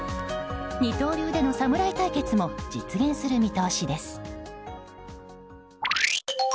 二刀流での侍対決も実現する見通しです。